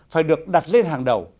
phải được đặt lên hàng đầu